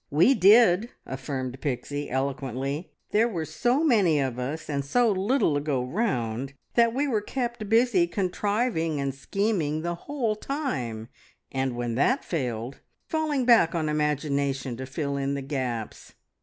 "We did!" affirmed Pixie eloquently. "There were so many of us, and so little to go round, that we were kept busy contriving and scheming the whole time, and, when that failed, falling back on imagination to fill in the gaps.